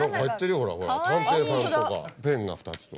ほらこれ探偵さんとかペンが２つと。